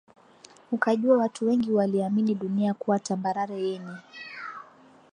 Ukajua Watu wengi waliamini dunia kuwa tambarare yenye